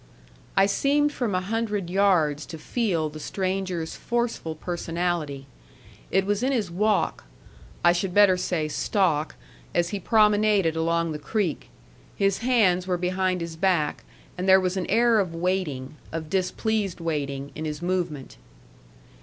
I seemed from a hundred yards to feel the stranger's forceful personality. It was in his walk I should better say stalk as he promenaded along the creek. His hands were behind his back, and there was an air of waiting, of displeased waiting, in his movement.